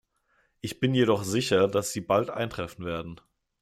Ich bin jedoch sicher, dass sie bald eintreffen werden.